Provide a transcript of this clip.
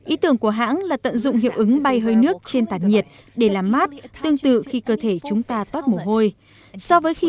ý tưởng của hãng là tận dụng hiệu ứng bay hơi nước trên tàn nhiệt để làm mát tương tự khi cơ thể chúng ta toát mồ hôi